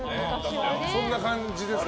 そんな感じですよね。